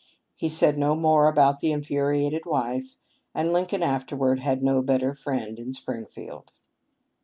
He said no more about the infuriated wife, and Lincoln afterward had no better friend in Springfield.